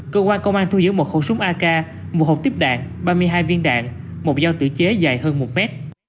cơ quan công an thu giữ một khẩu súng ak một hộp tiếp đạn ba mươi hai viên đạn một dao tự chế dài hơn một mét